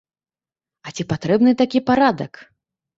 А ці патрэбны такі парадак?